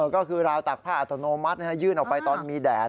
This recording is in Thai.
ก็คือราวตักผ้าอัตโนมัติยื่นออกไปตอนมีแดด